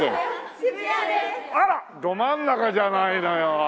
あらど真ん中じゃないのよ。